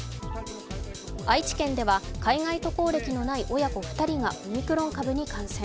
愛知県では海外渡航歴のない親子２人がオミクロン株に感染。